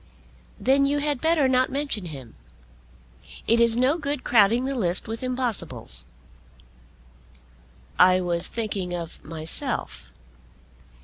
"Then you had better not mention him. It is no good crowding the list with impossibles." "I was thinking of myself."